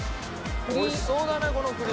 美味しそうだねこの栗。